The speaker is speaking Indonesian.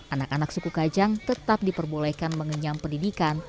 anak anak suku kajang tetap diperbolehkan mengenyam pendidikan